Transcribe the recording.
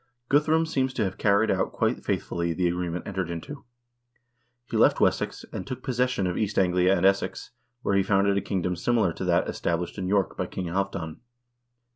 Guthrum seems to have carried out quite faithfully the agreement entered into. He left Wessex, and took possession of East Anglia and Essex, where he founded a kingdom similar to that established in York by King Halvdan.